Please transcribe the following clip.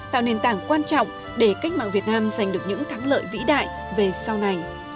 tạo nền tảng quan trọng để cách mạng việt nam giành được những thắng lợi vĩ đại về sau này